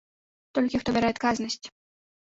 Толькі хто бярэ адказнасць.